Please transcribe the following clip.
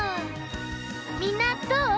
みんなどう？